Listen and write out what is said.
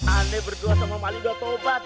aneh berdua sama malidotobat